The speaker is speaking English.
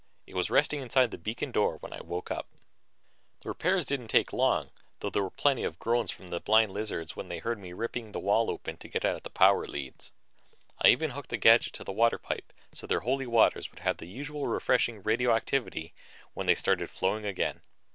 It was resting inside the beacon door when I woke up. The repairs didn't take long, though there was plenty of groaning from the blind lizards when they heard me ripping the wall open to get at the power leads. I even hooked a gadget to the water pipe so their Holy Waters would have the usual refreshing radioactivity when they started flowing again.